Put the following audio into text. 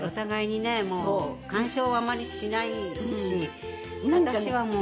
もう干渉はあまりしないし私はもう。